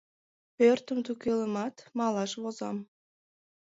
Пӧртым тӱкылемат, малаш возам.